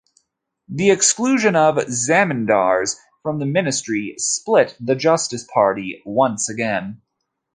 The exclusion of "Zamindars" from the Ministry split the Justice Party once again.